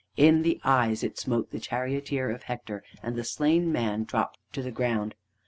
In the eyes it smote the charioteer of Hector, and the slain man dropped to the ground.